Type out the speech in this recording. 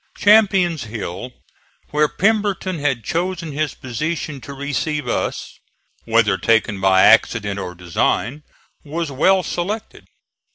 Champion's Hill, where Pemberton had chosen his position to receive us, whether taken by accident or design, was well selected.